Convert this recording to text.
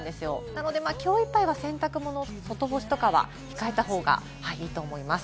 なので今日いっぱいは洗濯物、外干しとかは控えたほうがいいと思います。